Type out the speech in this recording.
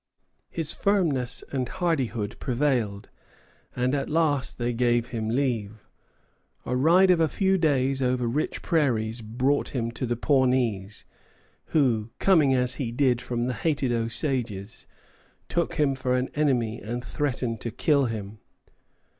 His firmness and hardihood prevailed, and at last they gave him leave. A ride of a few days over rich prairies brought him to the Pawnees, who, coming as he did from the hated Osages, took him for an enemy and threatened to kill him.